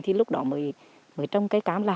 thì lúc đó mới trồng cây cam lại